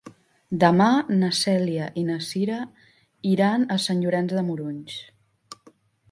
Demà na Cèlia i na Cira iran a Sant Llorenç de Morunys.